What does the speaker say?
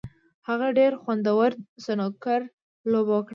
هغه ډېره خوندوره سنوکر لوبه وکړله.